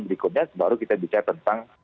berikutnya baru kita bicara tentang